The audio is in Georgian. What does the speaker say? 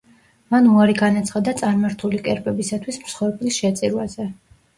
მან უარი განაცხადა წარმართული კერპებისათვის მსხვერპლის შეწირვაზე.